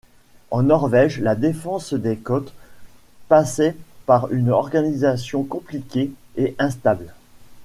En Norvège la défense des côtes passait par une organisation compliquée et instable.